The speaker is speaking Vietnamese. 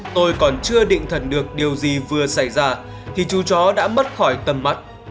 tôi còn chưa định thần được điều gì vừa xảy ra thì chú chó đã mất khỏi tâm mắt